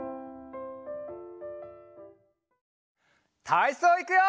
たいそういくよ！